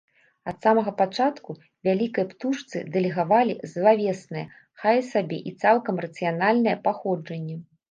Ад самага пачатку вялікай птушцы дэлегавалі злавеснае, хай сабе і цалкам рацыянальнае, паходжанне.